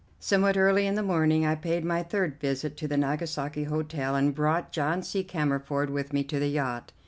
Somewhat early in the morning I paid my third visit to the Nagasaki Hotel and brought John C. Cammerford with me to the yacht.